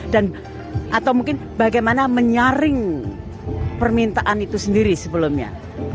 dan atau mungkin bagaimana menyaring permintaan itu sendiri sebelumnya